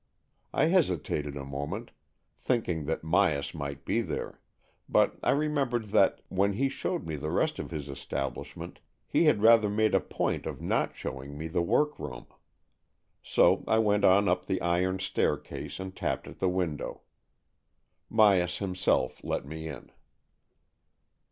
I hesitated a moment, thinking that Myas might be there ; but I remembered that when he showed me the rest of his establishment, he had rather made a point of not showing AN EXCHANGE OF SOULS 69 me the workroom. So I went on up the iron staircase, and tapped at the window. Myas himself let me in.